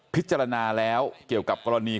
พิจารณาแล้วเกี่ยวกับกรณี